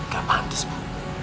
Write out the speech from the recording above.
gak pantas bu